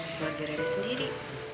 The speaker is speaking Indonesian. keluarga rere sendiri